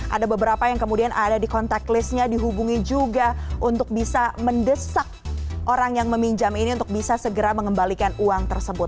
ada beberapa yang kemudian ada di kontak listnya dihubungi juga untuk bisa mendesak orang yang meminjam ini untuk bisa segera mengembalikan uang tersebut